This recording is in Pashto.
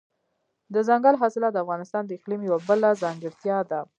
دځنګل حاصلات د افغانستان د اقلیم یوه بله ځانګړتیا ده.